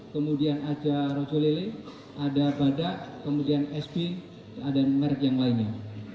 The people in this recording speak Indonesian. kemudian ada rojolele ada bada kemudian sb dan merek yang lainnya